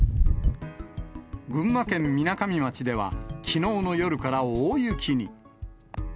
群馬県みなかみ町では、きのうの夜から大雪に。